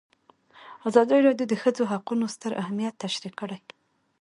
ازادي راډیو د د ښځو حقونه ستر اهميت تشریح کړی.